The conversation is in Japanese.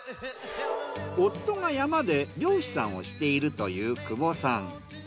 夫が山で猟師さんをしているという久保さん。